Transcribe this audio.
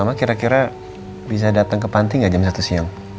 mama kira kira bisa datang ke panti nggak jam satu siang